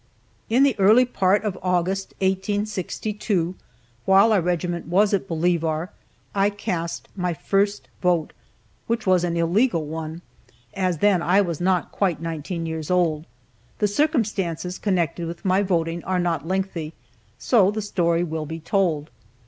In the early part of August, 1862, while our regiment was at Bolivar, I cast my first vote, which was an illegal one, as then I was not quite nineteen years old. The circumstances connected with my voting are not lengthy, so the story will be told.